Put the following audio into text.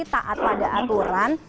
taat pada aturan